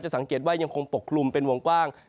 สังเกตว่ายังคงปกคลุมเป็นวงกว้าง